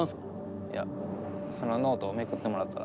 いやそのノートをめくってもらったら。